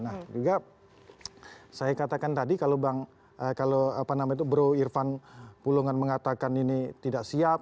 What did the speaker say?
nah juga saya katakan tadi kalau bang kalau apa namanya itu bro irfan pulungan mengatakan ini tidak siap